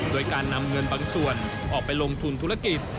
โดยการนำเงินบางส่วนออกไปลงทุนธุรกิจ